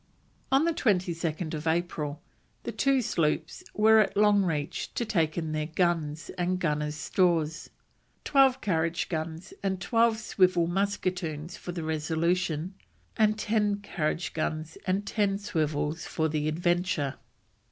On the 22nd April the two sloops were at Longreach to take in their guns and gunners' stores; twelve carriage guns and twelve swivel musketoons for the Resolution, and ten carriage guns and ten swivels for the Adventure.